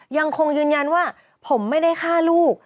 ยังคงยืนยันว่าผมไม่ได้ฆ่าลูก